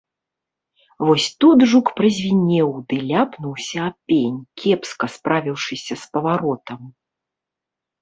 Вось тут жук празвінеў ды ляпнуўся аб пень, кепска справіўшыся з паваротам.